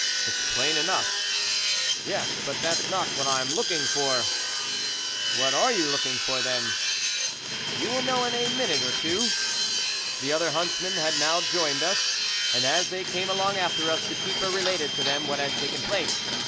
" It's plain enough." " Yes, but that's not what I am looking for." " What are you looking for, then ?"" You will know in a minute or two." The other huntsmen had now joined us, and as they came along after us, the keeper related to them what had taken place.